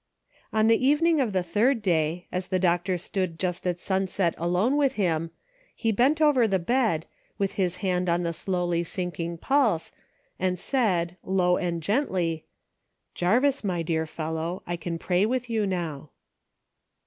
On the evening of the third day, as the doctor stood just at sunset alone with him, he bent over the bed, with his hand on the slowly sinking pulse, and said, low and gently, " Jarvis, my dear fellow, I can pray with you now."